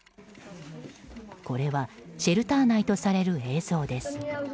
これはシェルター内とされる映像です。